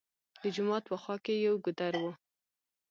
د جومات په خوا کښې يو ګودر وو